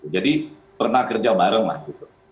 jadi pernah kerja bareng lah gitu